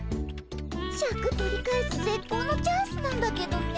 シャク取り返すぜっこうのチャンスなんだけどね。